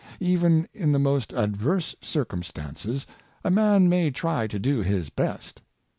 Even in the most adverse circumstances, a man may try to do his best.